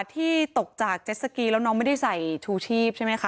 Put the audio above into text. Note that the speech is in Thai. ที่ตกจากเจ็ดสกีแล้วน้องไม่ได้ใส่ชูชีพใช่ไหมคะ